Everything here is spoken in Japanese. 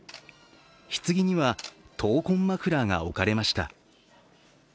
ひつぎには、闘魂マフラーが置かれました。